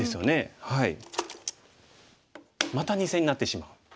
また２線になってしまう。